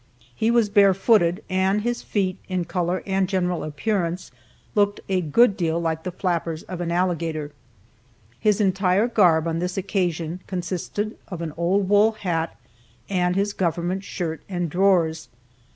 He was bare footed, and his feet, in color and general appearance, looked a good deal like the flappers of an alligator. His entire garb, on this occasion, consisted of an old wool hat and his government shirt and drawers.